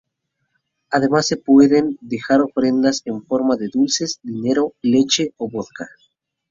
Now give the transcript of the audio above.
Además, se pueden dejar ofrendas en forma de dulces, dinero, leche o vodka.